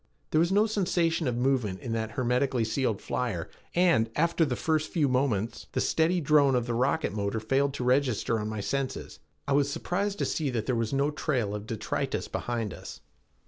There was no sensation of movement in that hermetically sealed flyer, and, after the first few moments, the steady drone of the rocket motor failed to register on my senses. I was surprised to see that there was no trail of detritus behind us.